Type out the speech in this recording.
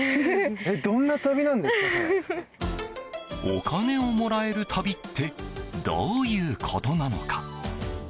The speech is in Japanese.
お金をもらえる旅ってどういうことなのか。